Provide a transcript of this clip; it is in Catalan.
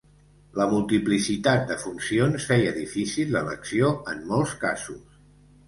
La multiplicitat de funcions feia difícil l'elecció en molts casos.